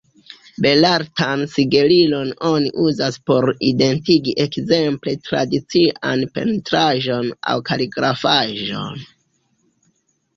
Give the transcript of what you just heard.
Belartan sigelilon oni uzas por identigi ekzemple tradician pentraĵon aŭ kaligrafaĵon.